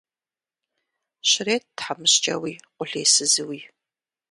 Щрет тхьэмыщкӏэуи, къулейсызууи.